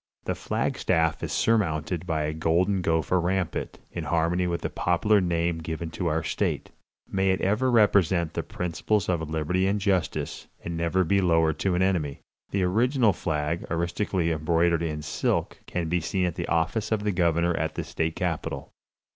The flag staff is surmounted by a golden gopher rampant, in harmony with the popular name given to our state. May it ever represent the principles of liberty and justice, and never be lowered to an enemy! The original flag, artistically embroidered in silk, can be seen at the office of the governor at the state capitol.